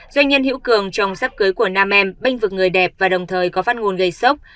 doanh nhân hữu cường trồng sắp cưới của nam em bênh vực người đẹp và đồng thời có phát ngôn gây sốc